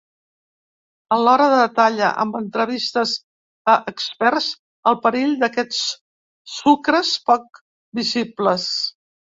Alhora detalla, amb entrevistes a experts, el perill d’aquests sucres poc visibles.